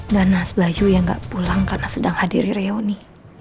dan mas bayu yang nggak pulang karena sedang hadiri reoni